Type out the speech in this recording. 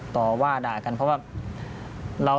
ต่อว่าด่ากันเพราะว่า